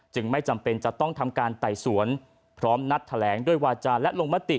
ไม่จำเป็นจะต้องทำการไต่สวนพร้อมนัดแถลงด้วยวาจาและลงมติ